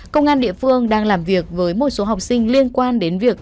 công an địa phương đang làm việc với một số học sinh liên quan đến việc